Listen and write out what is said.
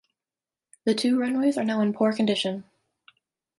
The two runways are now in poor condition.